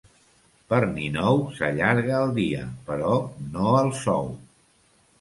Per Ninou s'allarga el dia, però no el sou.